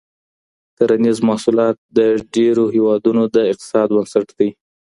کرنیز محصولات د ډیری هیوادونو د اقتصاد بنسټ دی.